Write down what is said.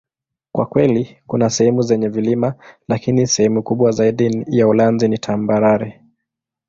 Kwa kweli, kuna sehemu zenye vilima, lakini sehemu kubwa zaidi ya Uholanzi ni tambarare.